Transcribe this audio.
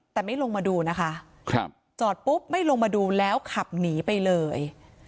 แต่ไม่ลงมาดูนะคะจอดปุ๊บไม่ลงมาดูแล้วขับหนีไปเลย